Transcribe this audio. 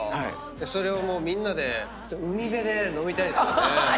それをみんなで海辺で飲みたいですよね。